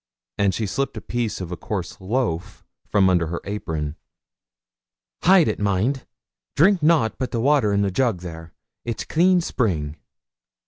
and she slipt a piece of a coarse loaf from under her apron. 'Hide it mind. Drink nout but the water in the jug there it's clean spring.' 'Oh, Meg!